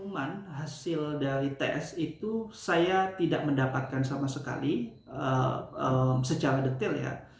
cuman hasil dari ts itu saya tidak mendapatkan sama sekali secara detail ya